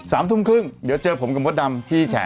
สามทุ่มครึ่งเดี๋ยวเจอผมกับมดดำที่แฉ